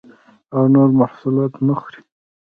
او نور محصولات نه خوري